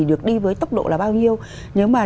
được đi với tốc độ là bao nhiêu nếu mà